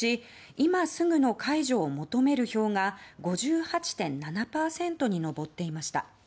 今すぐの解除を求める票が５８．７％に上っていました。